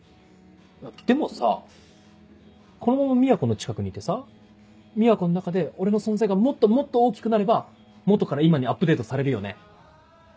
でもさこのまま美和子の近くにいてさ美和子の中で俺の存在がもっともっと大きくなれば「元」から「今」にアップデートされるよね？